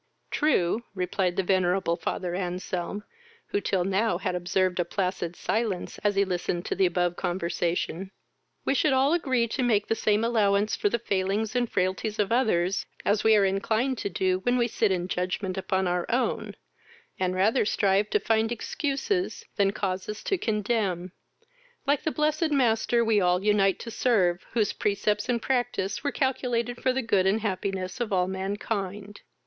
"True, (replied the venerable father Anselm, who till now had observed a placid silence as he listened to the above conversation,) we should all agree to make the same allowance for the failings and frailties of others as we are inclined to do when we sit in judgement upon our own, and rather strive to find excuses than causes to condemn; like the blessed master we all unite to serve, whose precepts and practice were calculated for the good and happiness of all mankind."